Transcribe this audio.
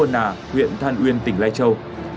nà huyện than uyên tỉnh lai châu